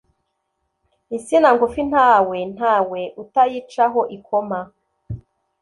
Insina ngufi ntawe ntawe utayicaho ikoma